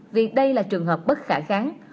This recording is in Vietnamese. vì đây là trường hợp bất khả kháng